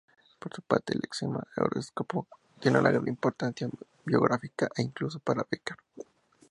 Por su parte, el lexema "horóscopo" tiene gran importancia biográfica e incluso para Beckett.